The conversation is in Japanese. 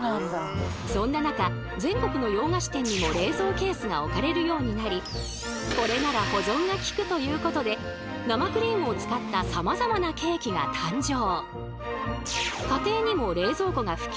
そんな中全国の洋菓子店にも冷蔵ケースが置かれるようになりこれなら保存がきくということで生クリームを使ったさまざまなケーキが誕生。